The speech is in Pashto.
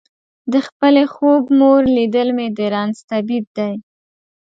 د خپلې خوږ مور لیدل مې د رنځ طبیب دی.